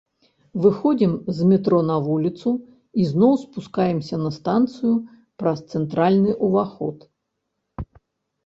Выходзім з метро на вуліцу і зноў спускаемся на станцыю праз цэнтральны ўваход.